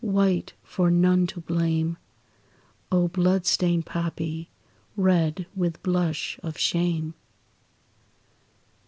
white for none to blame. O! blood stained poppy! red with blush of shame.